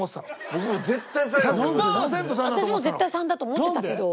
私も絶対３だと思ってたけど。